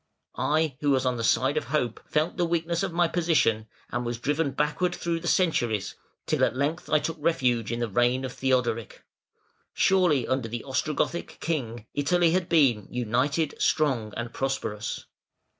I, who was on the side of hope, felt the weakness of my position, and was driven backward through the centuries, till at length I took refuge in the reign of Theodoric. Surely, under the Ostrogothic king, Italy had been united, strong, and prosperous.